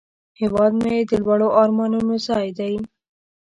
هیواد مې د لوړو آرمانونو ځای دی